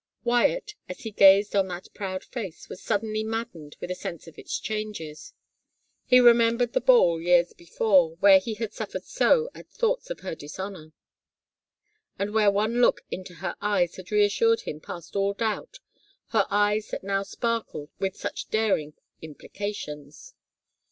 Wyatt, as he gazed on that proud face, was suddenly maddened with a sense of its changes; he remembered the ball, years before, where he had suffered so at thoughts of her dishonor and where one look into her eyes had reassured him past all doubt, her eyes that now sparkled with such daring implications.